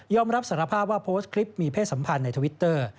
รับสารภาพว่าโพสต์คลิปมีเพศสัมพันธ์ในทวิตเตอร์